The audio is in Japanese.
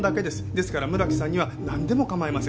ですから村木さんにはなんでも構いません。